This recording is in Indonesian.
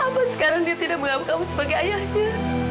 apa sekarang dia tidak menganggap kamu sebagai ayahnya